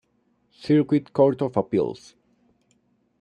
Circuit Court of Appeals.